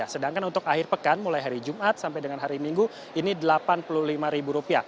sedangkan untuk akhir pekan mulai hari jumat sampai dengan hari minggu ini rp delapan puluh lima